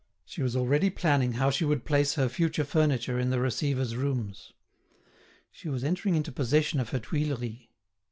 She was already planning how she would place her future furniture in the receiver's rooms. She was entering into possession of her Tuileries.